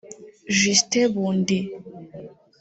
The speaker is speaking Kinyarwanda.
Justin Bundi